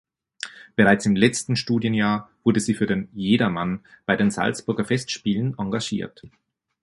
Bereits im letzten Studienjahr wurde sie für den "Jedermann" bei den Salzburger Festspielen engagiert.